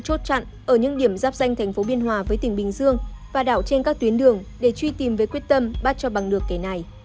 hoa đảo trên các tuyến đường để truy tìm với quyết tâm bắt cho bằng lược kẻ này